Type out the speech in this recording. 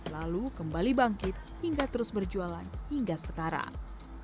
lalu kembali bangkit hingga terus berjualan hingga sekarang